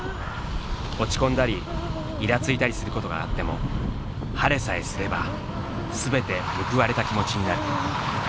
落ち込んだりいらついたりすることがあっても晴れさえすればすべて報われた気持ちになる。